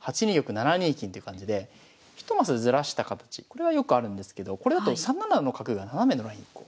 ８二玉７二金って感じで一マスずらした形これはよくあるんですけどこれだと３七の角が斜めのライン